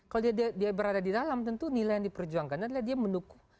kalau dia berada di dalam tentu nilai yang diperjuangkan adalah dia mendukung